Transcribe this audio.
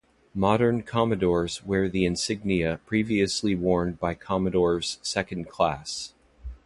Modern commodores wear the insignia previously worn by commodores second class.